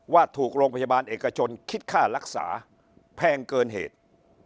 ถูกโรงพยาบาลเอกชนคิดค่ารักษาแพงเกินเหตุ